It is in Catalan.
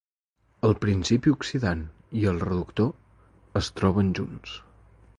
El principi oxidant i el reductor es troben junts.